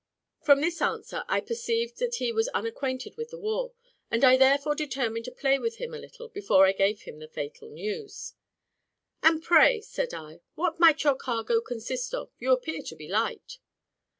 From this answer, I perceived that he was unacquainted with the war, and I therefore determined to play with him a little before I gave him the fatal news. "And pray," said I, "what might your cargo consist of? you appear to be light."